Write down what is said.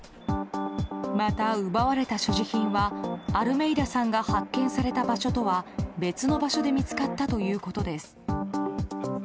また、奪われた所持品はアルメイダさんが発見された場所とは別の場所で見つかったということです。